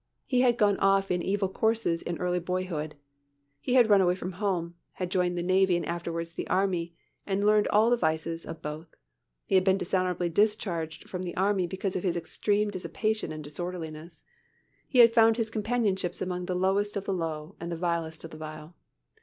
He had gone off in evil courses in early boyhood. He had run away from home, had joined the navy and afterwards the army, and learned all the vices of both. He had been dishonourably discharged from the army because of his extreme dissipation and disorderliness. He had found his companionships among the lowest of the low and the vilest of the vile.